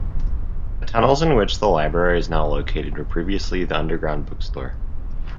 The tunnels in which the library is now located were previously the Underground Bookstore.